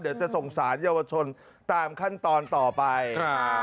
เดี๋ยวจะส่งสารเยาวชนตามขั้นตอนต่อไปอ่า